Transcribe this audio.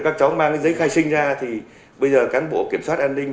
các cháu mang giấy khai sinh ra thì bây giờ cán bộ kiểm soát an ninh